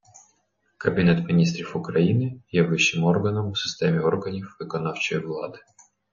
Кабінет Міністрів України є вищим органом у системі органів виконавчої влади.